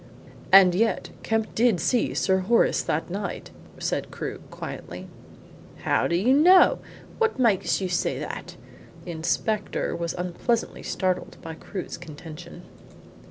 "And yet Kemp did see Sir Horace that night," said Crewe quietly. "How do you know? What makes you say that?" The inspector was unpleasantly startled by Crewe's contention.